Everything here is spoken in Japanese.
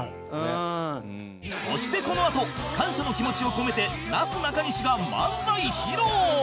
そしてこのあと感謝の気持ちを込めてなすなかにしが漫才披露！